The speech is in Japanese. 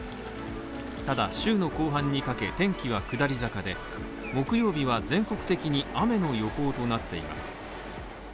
ただ、週の後半にかけ、天気は下り坂で木曜日は全国的に雨の予報となっています。